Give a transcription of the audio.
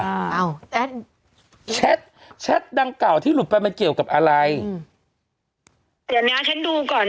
อ้าวแชทแชทดังเก่าที่หลุดไปมันเกี่ยวกับอะไรอืมเดี๋ยวเนี้ยฉันดูก่อน